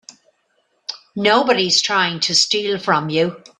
Nobody's trying to steal from you.